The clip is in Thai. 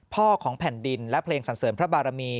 ของแผ่นดินและเพลงสันเสริมพระบารมี